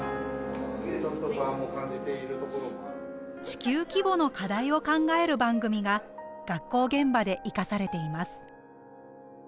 地球規模の課題を考える番組が学校現場でいかされています。